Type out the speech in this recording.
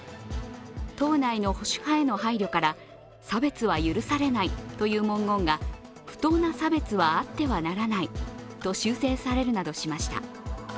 党内の保守派への配慮から差別は許されないという文言が不当な差別はあってはならないと修正されるなどしました。